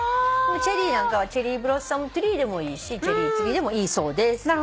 チェリーなんかはチェリーブロッサムツリーでもいいしチェリーツリーでもいいそうです。